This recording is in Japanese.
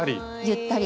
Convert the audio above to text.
ゆったり。